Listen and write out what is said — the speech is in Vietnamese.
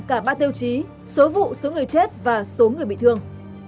cả ba tiêu chí số vụ số người chết và số người bị thương